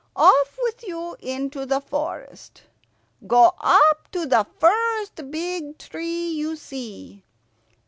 Off with you into the forest. Go up to the first big tree you see.